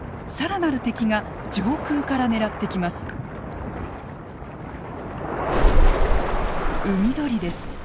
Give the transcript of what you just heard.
更なる敵が上空から狙ってきます。